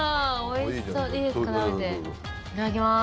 いただきます。